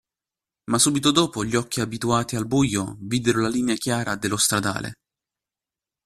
Ma subito dopo gli occhi abituati al buio videro la linea chiara dello stradale.